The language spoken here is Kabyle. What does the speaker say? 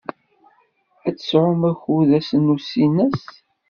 Ad tesɛum akud ass n usinas?